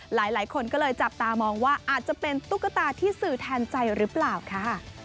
หลายคนก็เลยจับตามองว่าอาจจะเป็นตุ๊กตาที่สื่อแทนใจหรือเปล่าค่ะ